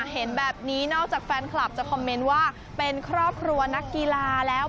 เห็นแบบนี้นอกจากแฟนคลับจะคอมเมนต์ว่าเป็นครอบครัวนักกีฬาแล้ว